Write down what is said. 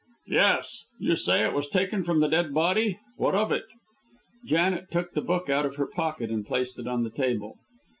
"Yes. You say it was taken from the dead body. What of it?" Janet took the book out of her pocket and placed it on the table.